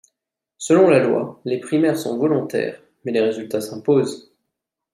Selon la loi, les primaires sont volontaires, mais les résultats s'imposent.